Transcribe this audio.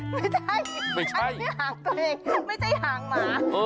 ไม่ใช่ฉันไม่ห่างตัวเองไม่ใช่ห่างหมา